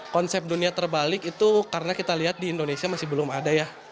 konsep dunia terbalik itu karena kita lihat di indonesia masih belum ada ya